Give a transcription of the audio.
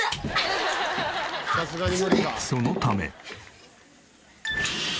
そのため。